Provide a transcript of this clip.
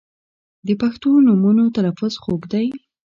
• د پښتو نومونو تلفظ خوږ دی.